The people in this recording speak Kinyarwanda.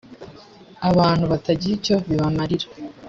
abantu batagira icyo bimarira